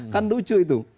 kan lucu itu